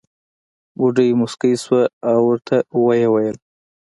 بوډۍ موسکۍ شوه او ورته وې وېل.